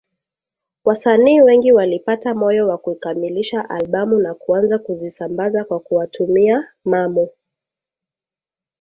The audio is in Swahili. Wasanii wengi walipata moyo wa kukamilisha albamu na kuanza kuzisambaza kwa kuwatumia Mamu